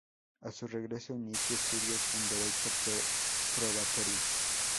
A su regreso, inicia estudios en Derecho Probatorio.